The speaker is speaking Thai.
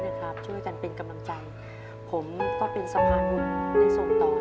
ขอฝากครอบครัวของคุณสูงจากชาวนาสวรรค์